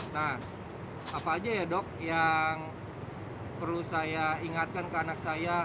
nah apa aja ya dok yang perlu saya ingatkan ke anak saya